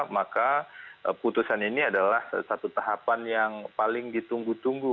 maka putusan ini adalah satu tahapan yang paling ditunggu tunggu